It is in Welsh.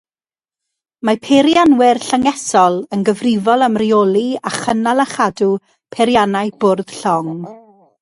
Mae peirianwyr llyngesol yn gyfrifol am reoli a chynnal a chadw peiriannau bwrdd llong.